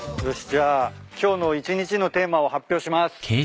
じゃあ今日の一日のテーマを発表します。